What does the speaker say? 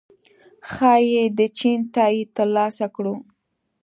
ښايي د چین تائید ترلاسه کړو